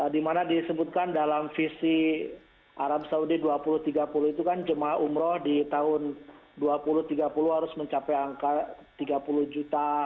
dimana disebutkan dalam visi arab saudi dua ribu tiga puluh itu kan jemaah umroh di tahun dua ribu tiga puluh harus mencapai angka tiga puluh juta